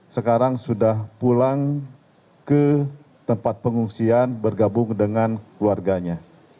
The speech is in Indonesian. sekarang sudah pulang ke tempat pengungsian bergabung dengan keluarganya